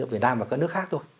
việt nam và các nước khác thôi